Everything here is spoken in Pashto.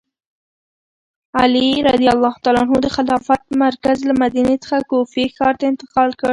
علي رض د خلافت مرکز له مدینې څخه کوفې ښار ته انتقال کړ.